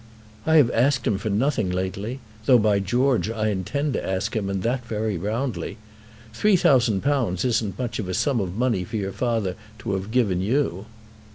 "I have asked him for nothing lately; though, by George, I intend to ask him and that very roundly. Three thousand pounds isn't much of a sum of money for your father to have given you."